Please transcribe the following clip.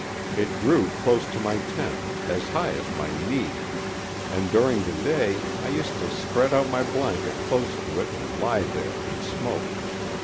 It grew close to my tent, as high as my knee, and during the day I used to spread out my blanket close to it and lie there and smoke.